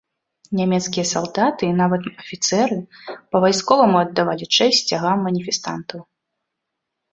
Нямецкія салдаты і нават афіцэры па-вайсковаму аддавалі чэсць сцягам маніфестантаў.